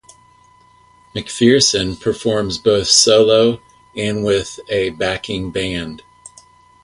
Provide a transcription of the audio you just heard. MacPherson performs both solo and with a backing band.